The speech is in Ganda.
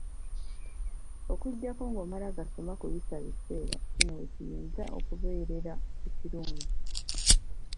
Okuggyako ng’omala gasoma kuyisa biseerakino we kiyinza okubeerera ekirungi.